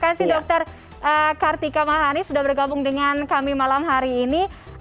terima kasih dokter kartika mahani sudah bergabung dengan kami malam hari ini